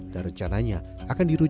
dan rencananya akan dirusakkan